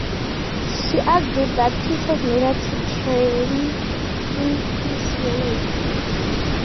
She argued that teachers needed to trained in physiology.